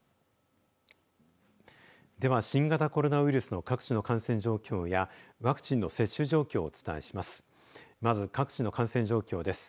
では、新型コロナウイルスの各地の感染状況やワクチンの接種状況をお伝えします。